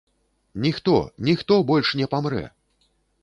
Ніхто, ніхто больш не памрэ!